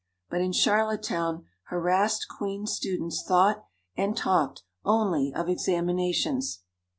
But in Charlottetown harassed Queen's students thought and talked only of examinations.